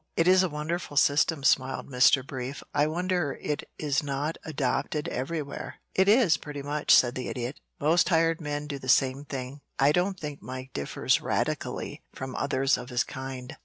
"It is a wonderful system," smiled Mr. Brief. "I wonder it is not adopted everywhere." "It is, pretty much," said the Idiot. "Most hired men do the same thing. I don't think Mike differs radically from others of his kind.